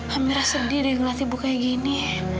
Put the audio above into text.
amira sedih dengar ibu kayak gini